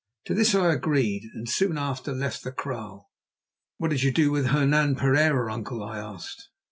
To this I agreed and soon after left the kraal." "What did you do with Hernan Pereira, uncle?" I asked.